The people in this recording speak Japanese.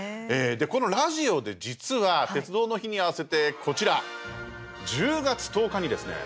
このラジオで、実は鉄道の日に合わせて、こちら１０月１０日にですね